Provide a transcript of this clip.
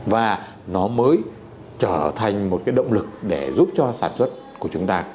và nó mới trở thành một cái động lực để giúp cho sản xuất của chúng ta